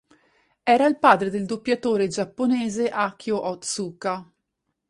Era il padre del doppiatore giapponese Akio Ōtsuka.